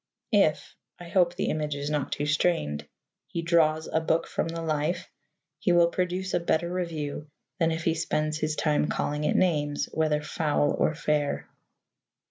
If I hope the image is not too strained he draws a book from the life, he will produce a better review than if he spends his time calling it names, whether foul or fair.